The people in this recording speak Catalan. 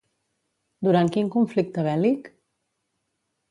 Durant quin conflicte bèl·lic?